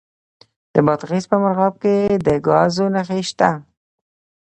د بادغیس په مرغاب کې د ګازو نښې شته.